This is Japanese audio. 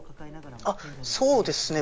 そうですね。